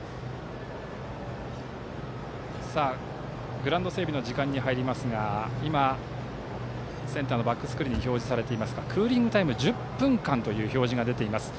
グラウンド整備の時間に入りますが今、センターバックスクリーンに表示されていましたがクーリングタイム１０分間という表示が出ています。